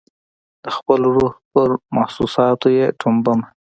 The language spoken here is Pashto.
د خپل روح پر محسوساتو یې ټومبه